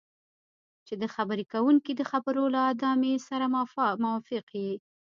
چې د خبرې کوونکي د خبرو له ادامې سره موافق یې.